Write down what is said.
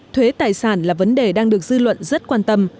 thuế tài sản là vấn đề đang được dư luận rất quan tâm